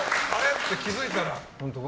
って、気づいたら。